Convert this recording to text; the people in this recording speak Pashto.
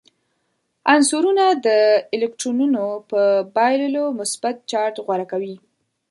عنصرونه د الکترونونو په بایللو مثبت چارج غوره کوي.